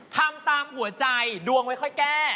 ทำตามหัวใจดวงไม่ค่อยแก้